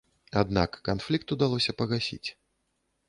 Аднак канфлікт удалося пагасіць.